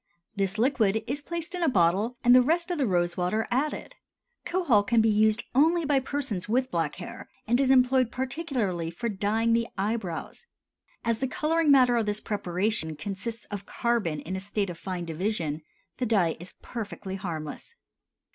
This liquid is placed in a bottle and the rest of the rose water added. Kohol can be used only by persons with black hair, and is employed particularly for dyeing the eyebrows. As the coloring matter of this preparation consists of carbon in a state of fine division, the dye is perfectly harmless.